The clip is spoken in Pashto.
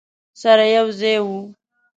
سره یو ځای وو.